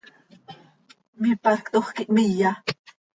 Mipactoj quih hmiya.